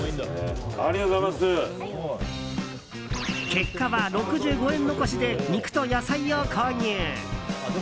結果は６５円残しで肉と野菜を購入。